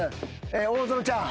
大園ちゃん。